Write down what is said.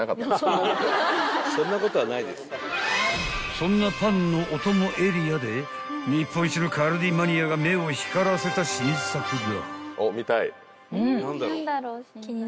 ［そんなパンのお供エリアで日本一のカルディマニアが目を光らせた新作が］